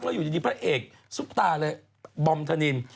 แล้วอยู่ในที่นี่พระเอกซุบตาเลยบอมธนิน